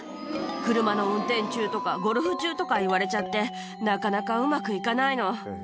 車の運転中とか、ゴルフ中とか言われちゃって、なかなかうまくいかないの。